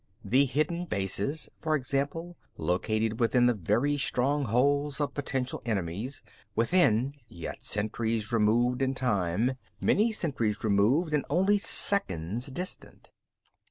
The hidden bases, for example, located within the very strongholds of potential enemies within, yet centuries removed in time. Many centuries removed and only seconds distant.